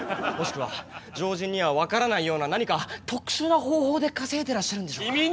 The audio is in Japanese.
もしくは常人には分からないような何か特殊な方法で稼いでらっしゃるんでしょうか？